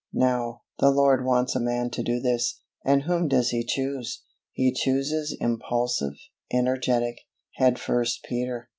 Now, the Lord wants a man to do this, and whom does He choose? He chooses impulsive, energetic, head first Peter.